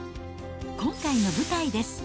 今回の舞台です。